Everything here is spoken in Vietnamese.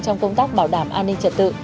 trong công tác bảo đảm an ninh trật tự